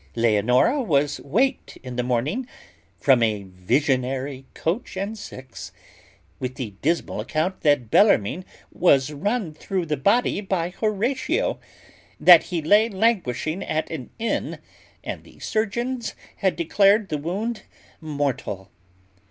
Leonora was waked in the morning, from a visionary coach and six, with the dismal account that Bellarmine was run through the body by Horatio; that he lay languishing at an inn, and the surgeons had declared the wound mortal.